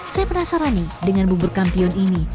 saya penasaran nih dengan bubur kampion ini